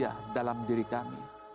yang terwazih dalam diri kami